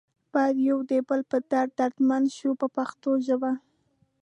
باید یو د بل په درد دردمند شو په پښتو ژبه.